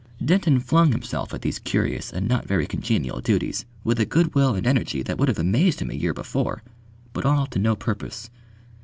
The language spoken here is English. Denton flung himself at these curious and not very congenial duties with a good will and energy that would have amazed him a year before; but all to no purpose.